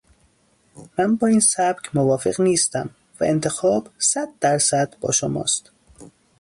من با این سبک موافق نیستم و انتخاب صد در صد با شماست.